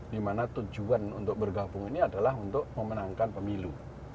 dimana tujuan untuk bergabung ini adalah untuk memenangkan pemilu